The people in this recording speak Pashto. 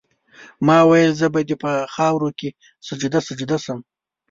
ما ویل زه به دي په خاوره کي سجده سجده سم